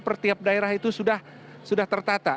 setiap daerah itu sudah tertata